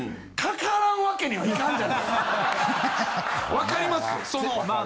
わかります？